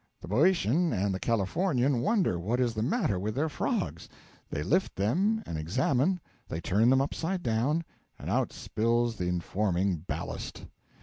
The Boeotian and the Californian wonder what is the matter with their frogs; they lift them and examine; they turn them upside down and out spills the informing ballast.